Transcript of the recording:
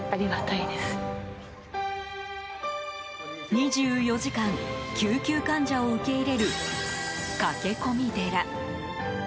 ２４時間、救急患者を受け入れる駆け込み寺。